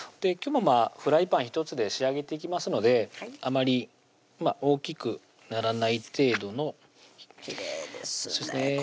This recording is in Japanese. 今日もフライパン１つで仕上げていきますのであまり大きくならない程度のきれいですね